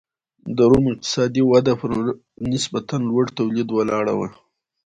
د روم اقتصادي وده پر نسبتا لوړ تولید ولاړه وه